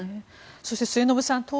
そして末延さん